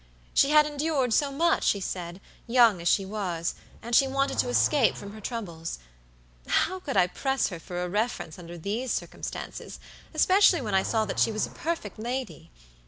She had endured so much, she said, young as she was, and she wanted to escape from her troubles. How could I press her for a reference under these circumstances, especially when I saw that she was a perfect lady.